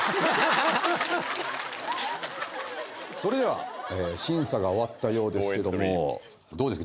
それでは審査が終わったようですけどもどうですか？